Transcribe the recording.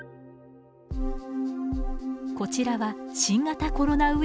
こちらは新型コロナウイルスです。